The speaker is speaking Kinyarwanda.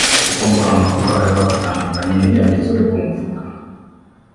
kuko ngo amakuru ariho atandukanye n’ibyanditswe ku mifuka